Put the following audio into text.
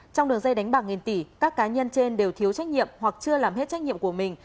trong đường dây đánh bạc nghìn tỷ các cá nhân trên đều thiếu trách nhiệm hoặc chưa làm hết trách nhiệm của mình